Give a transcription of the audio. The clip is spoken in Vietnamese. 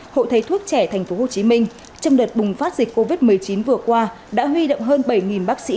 hội thầy thuốc trẻ tp hcm trong đợt bùng phát dịch covid một mươi chín vừa qua đã huy động hơn bảy bác sĩ